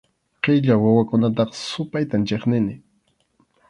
Qilla wawakunataqa supaytam chiqnini.